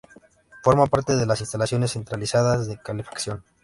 Forma parte de las instalaciones centralizadas de calefacción.